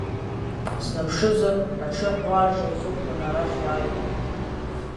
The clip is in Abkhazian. Снаԥшызар, аҽы ҳәуа ажра ихықәлан арахь иааиуан.